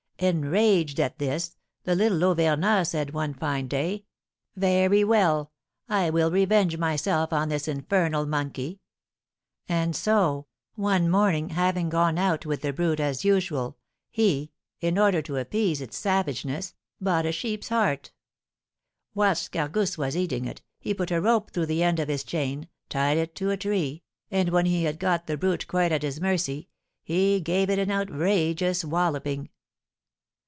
Enraged at this, the little Auvergnat said, one fine day, 'Very well, I will revenge myself on this infernal monkey;' and so, one morning, having gone out with the brute as usual, he, in order to appease its savageness, bought a sheep's heart. Whilst Gargousse was eating it, he put a rope through the end of his chain, tied it to a tree, and, when he had got the brute quite at his mercy, he gave it an outrageous walloping."